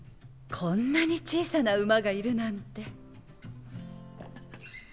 こんなに小さな馬がいるなんて。